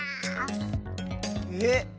えっ？